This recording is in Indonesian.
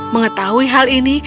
mengetahui hal ini